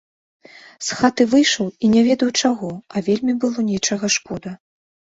З хаты выйшаў, і не ведаў чаго, а вельмі было нечага шкода.